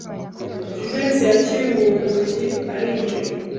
Jivency yakinguye urugi arinjira.